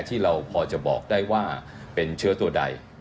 ที่เราพอจะบอกได้ว่าเป็นเชื้อตัวใด